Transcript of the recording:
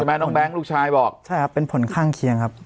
น้องแบงค์ลูกชายบอกใช่ครับเป็นผลข้างเคียงครับ